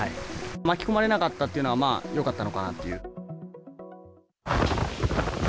巻き込まれなかったっていうのは、まあ、よかったのかなという。